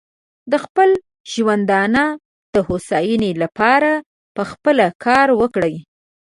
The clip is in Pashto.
د خپل ژوندانه د هوساینې لپاره پخپله کار وکړي.